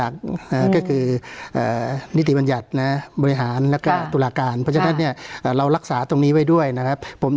ก็คือนิติบัญญัตินะบริหารแล้วก็ตุลาการเพราะฉะนั้นเนี่ยเรารักษาตรงนี้ไว้ด้วยนะครับผม